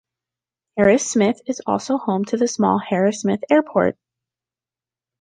Harrismith is also home to the small Harrismith Airport.